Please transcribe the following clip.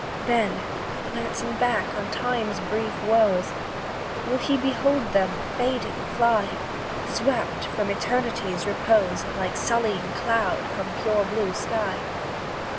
"Then, glancing back on Time's brief woes, Will he behold them, fading, fly; Swept from Eternity's repose, Like sullying cloud from pure blue sky?